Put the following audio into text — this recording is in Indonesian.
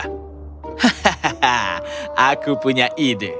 hahaha aku punya ide